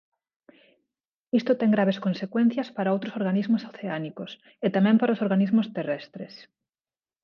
Isto ten graves consecuencias para outros organismos oceánicos e tamén para os organismos terrestres.